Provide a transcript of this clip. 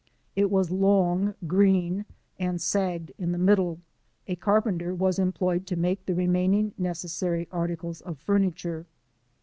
It was long, green, and sagged in the middle. A carpenter was employed to make the remaining necessary articles of furniture.